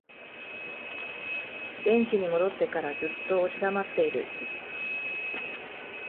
ベンチに戻ってからずっと押し黙っている